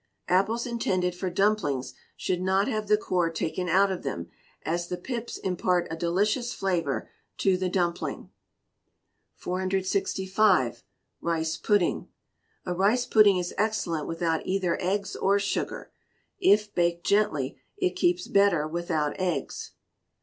Apples intended for dumplings should not have the core taken out of them, as the pips impart a delicious flavour to the dumpling. 465. Rice Pudding. A rice pudding is excellent without either eggs or sugar, if baked gently: it keeps better without eggs.